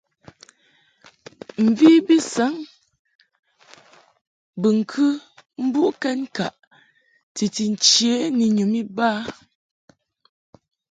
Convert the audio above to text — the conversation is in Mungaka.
Mvi saŋ bɨŋkɨ mbuʼkɛd ŋkaʼ titi nche ni nyum iba.